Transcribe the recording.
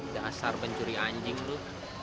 dasar pencuri anjing lu